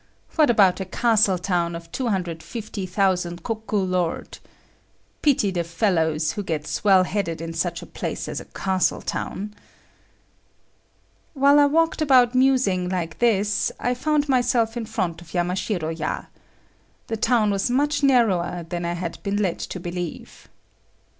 What about a castle town of 250,000 koku Lord! Pity the fellows who get swell headed in such a place as a castle town! While I walked about musing like this, I found myself in front of Yamashiro ya. The town was much narrower than I had been led to believe.